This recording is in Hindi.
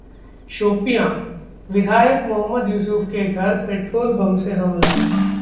शोपियां: विधायक मोहम्मद युसूफ के घर पेट्रोल बम से हमला